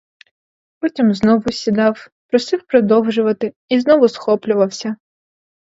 Потім знову сідав, просив продовжувати і знову схоплювався.